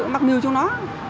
mắc mưu trong nó